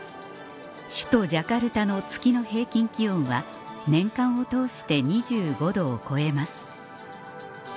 首都ジャカルタの月の平均気温は年間を通して２５度を超えます